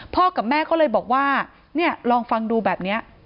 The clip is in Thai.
กับแม่ก็เลยบอกว่าเนี่ยลองฟังดูแบบนี้